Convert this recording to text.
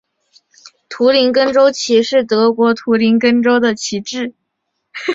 图林根州旗是德国图林根州的旗帜。